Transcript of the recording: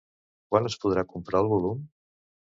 Quan es podrà comprar el volum?